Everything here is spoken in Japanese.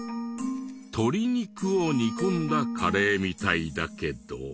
鶏肉を煮込んだカレーみたいだけど。